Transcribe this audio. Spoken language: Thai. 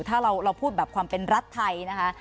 ถ้าเราพูดแบบความเป็นรัฐไทยนะคะ